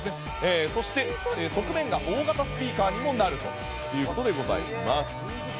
そして、側面が大型スピーカーにもなるということです。